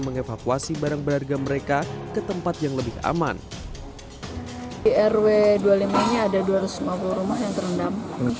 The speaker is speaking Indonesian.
mengevakuasi barang berharga mereka ke tempat yang lebih aman di rw dua puluh lima nya ada dua ratus lima puluh rumah yang terendam